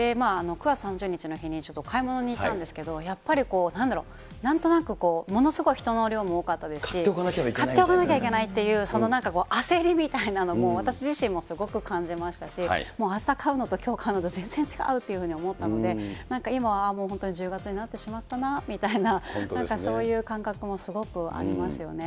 ９月３０日の日にちょっと買い物に行ったんですけど、やっぱりこう、なんだろう、なんとなくものすごい人の量も多かったですし、買っておかなければいけない買っておかなきゃいけないっていう焦りみたいのも、私自身もすごく感じましたし、もうあした買うのときょうでは全然違うっていうふうに思ったので、なんか今はもう本当に１０月になってしまったなみたいな、なんかそういう感覚もすごくありますよね。